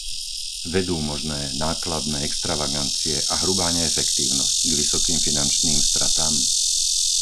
Vedú možné nákladné extravagancie a hrubá neefektívnosť k vysokým finančným stratám?